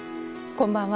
こんばんは。